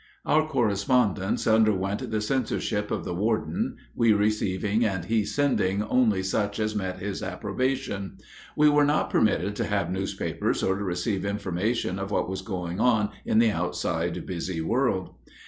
Our correspondence underwent the censorship of the warden, we receiving and he sending only such as met his approbation; we were not permitted to have newspapers, or to receive information of what was going on in the outside busy world.